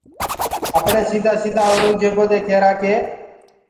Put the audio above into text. اپڻيٚ سيٚدآ سيٚدآ اورنٚگجيبو دي ڪيٚرآ ڪي